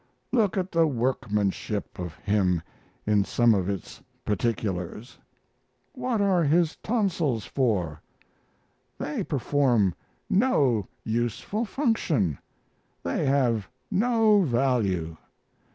Look at the workmanship of him in some of its particulars. What are his tonsils for? They perform no useful function; they have no value.